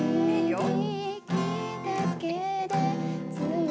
いいよ。